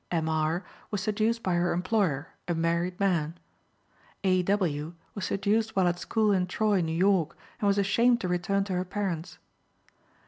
M. R. was seduced by her employer, a married man. A. W. was seduced while at school in Troy, N. Y., and was ashamed to return to her parents.